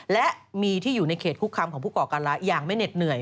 และมีที่อยู่ในเขตคุกคำของผู้ก่อการร้ายอย่างไม่เหน็ดเหนื่อย